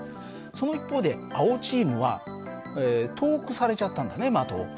その一方で青チームは遠くされちゃったんだね的を。